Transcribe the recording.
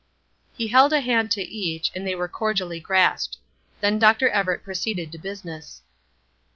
He held a hand to each, and they were cordially grasped. Then Dr. Everett proceeded to business.